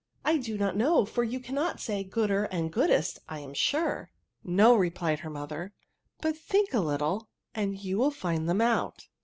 '^ I do not know; for you cannot say gooder and goodest, I am sure*.'* " No," replied her mother ;" but think a little, and you will find them out."